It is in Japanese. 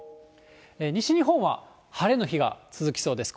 西日本は晴れの日が続きそうです。